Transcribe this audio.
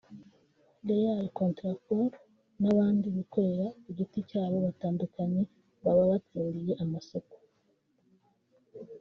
Real Contractors n’abandi bikorera ku giti cyabo batandukanye baba batsindiye amasoko